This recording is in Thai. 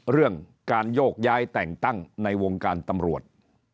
เรื่องการโยกย้ายแต่งตั้งในวงการตำรวจ